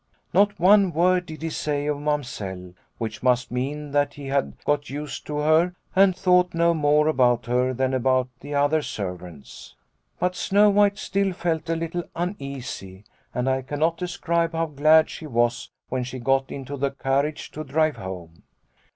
Not one word did he say of Mamsell, which must mean that he had got used to her and thought no more about her than about the other ser vants. " But Snow White still felt a little uneasy, and I cannot describe how glad she was when she got into the carriage to drive home.